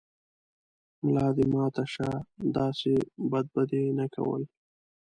ملا دې ماته شۀ، داسې بد به دې نه کول